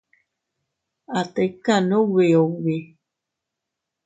A tikan ubi ubi.